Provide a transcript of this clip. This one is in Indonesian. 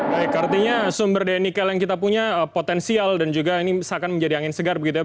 baik artinya sumber daya nikel yang kita punya potensial dan juga ini seakan menjadi angin segar begitu ya